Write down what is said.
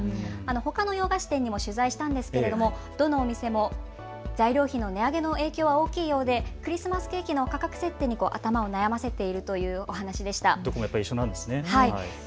ほかの洋菓子店にも取材したんですけれどもどのお店も材料費の値上げの影響は大きいのでクリスマスケーキの価格設定に頭を悩ませているというお話でした。